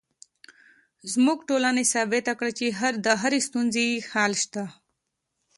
زموږ ټولنې ثابته کړې چې د هرې ستونزې حل شته